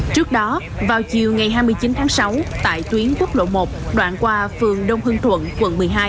trước đó vào chiều ngày hai mươi chín tháng sáu tại tuyến quốc lộ một đoạn qua phường đông hương thuận quận một mươi hai